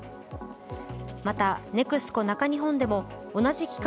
また、ＮＥＸＣＯ中日本でも同じ期間